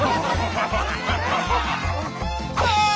ああ！